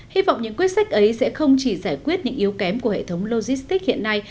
hy vọng những quyết sách ấy sẽ không chỉ giải quyết những yếu kém của hệ thống logistic hiện nay